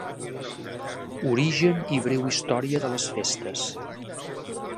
Origen i breu història de les festes.